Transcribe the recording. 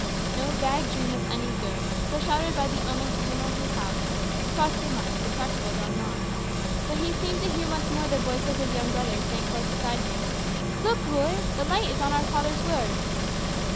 No vague dream of any good, foreshadowed by the omen to him or to his house, crossed the mind of the practical Don Juan. But he seemed to hear once more the voice of his young brother saying close beside him, "Look, Ruy, the light is on our father's words."